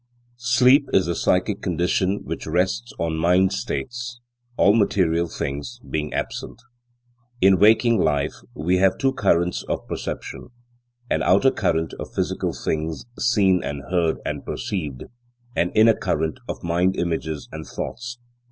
Sleep is the psychic condition which rests on mind states, all material things being absent. In waking life, we have two currents of perception; an outer current of physical things seen and heard and perceived; an inner current of mind images and thoughts.